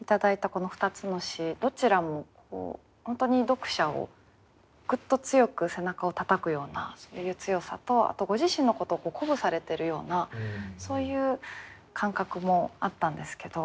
この２つの詩どちらも本当に読者をグッと強く背中をたたくようなそういう強さとあとご自身のことを鼓舞されてるようなそういう感覚もあったんですけど